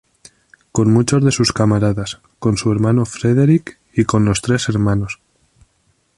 Con muchos de sus camaradas, con su hermano Frederick, y con los tres Hnos.